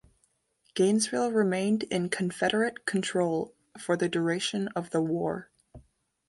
Gainesville remained in Confederate control for the duration of the war.